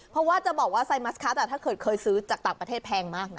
เพราะว่าจะบอกว่าไซมัสคัสถ้าเกิดเคยซื้อจากต่างประเทศแพงมากนะ